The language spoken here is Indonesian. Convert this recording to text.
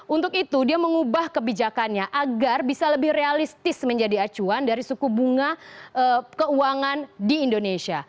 untuk itu dia mengubah kebijakannya agar bisa lebih realistis menjadi acuan dari suku bunga keuangan di indonesia